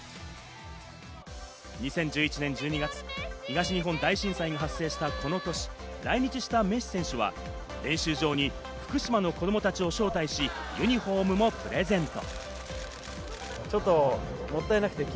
２０１１年１２月、東日本大震災が発生したこの年、来日したメッシ選手は練習場に福島の子供たちを招待し、ユニホームをプレゼント。